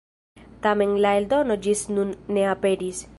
Tamen la eldono ĝis nun ne aperis.